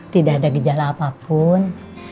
tidak ada gejala apapun